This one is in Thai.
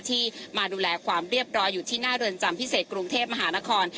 ที่มาดูแลความเรียบร้อยอยู่ที่หน้าเรือนจำพิเศษกรุงเทพมหานคร